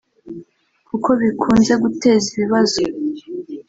kuko bikunze guteza ibibazo